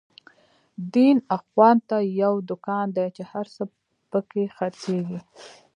دين اخوان ته يو دکان دی، چی هر څه په کی خر څيږی